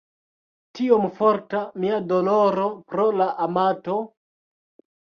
Tiom forta mia doloro pro la amato!